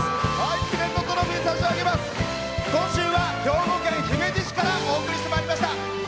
今週は兵庫県姫路市からお送りしてまいりました。